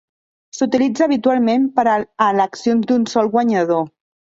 S'utilitza habitualment per a eleccions d'un sol guanyador.